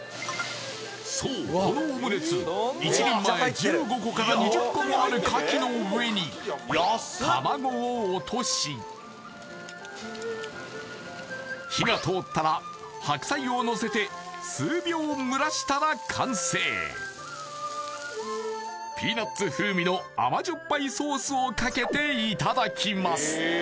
そうこのオムレツ１人前１５個から２０個もあるカキの上に卵を落とし火が通ったら白菜をのせて数秒蒸らしたら完成ピーナッツ風味のあまじょっぱいソースをかけていただきます